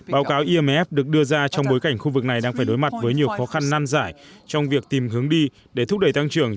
báo cáo imf được đưa ra trong bối cảnh khu vực này đang phải đối mặt với nhiều khó khăn năn giải trong việc tìm hướng đi để thúc đẩy tăng trưởng